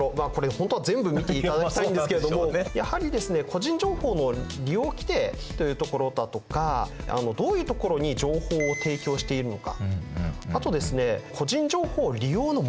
本当は全部見ていただきたいんですけれどもやはりですね個人情報の利用規程というところだとかどういうところに情報を提供しているのかあとですね個人情報利用の目的ですね。